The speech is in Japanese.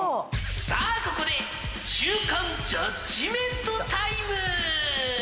さあここで中間ジャッジメントタイムー！